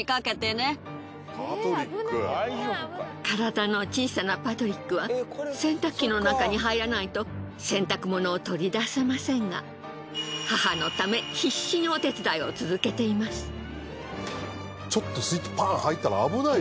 体の小さなパトリックは洗濯機の中に入らないと洗濯物を取り出せませんが母のため必死にお手伝いを続けています。